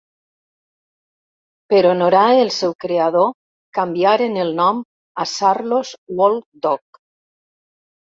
Per honorar el seu creador canviaren el nom a "Saarloos WolfDog".